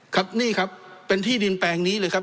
ครับนี่ครับเป็นที่ดินแปลงนี้เลยครับ